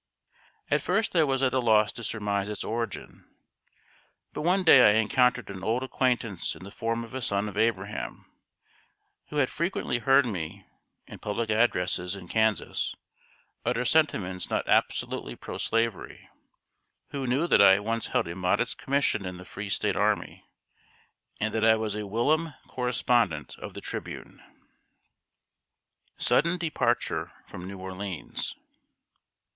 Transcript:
At first I was at a loss to surmise its origin. But one day I encountered an old acquaintance in the form of a son of Abraham, who had frequently heard me, in public addresses in Kansas, utter sentiments not absolutely pro slavery; who knew that I once held a modest commission in the Free State army, and that I was a whilom correspondent of The Tribune. [Sidenote: SUDDEN DEPARTURE FROM NEW ORLEANS.